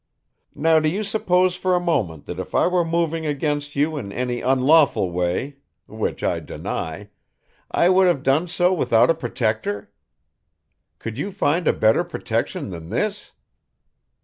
Now do you suppose for a moment that if I were moving against you in any unlawful way which I deny I would have done so without a protector? Could you find a better protection than this?